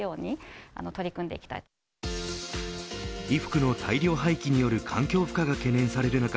衣服の大量廃棄による環境負荷が懸念される